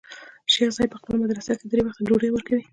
شيخ صاحب په خپله مدرسه کښې درې وخته ډوډۍ وركوي.